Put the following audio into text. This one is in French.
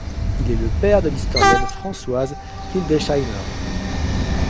Il est le père de l'historienne Françoise Hildesheimer.